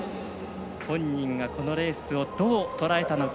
本人がこのレースをどうとらえたのか。